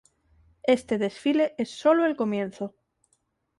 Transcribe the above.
Este desfile es sólo el comienzo.